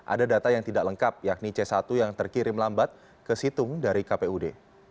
ada data yang tidak lengkap yakni c satu yang terkirim lambat ke situng dari kpud